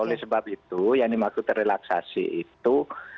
oleh sebab itu yang dimaksud relaksasi itu